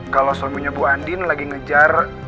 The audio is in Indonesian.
kalau suaminya bu andin lagi ngejar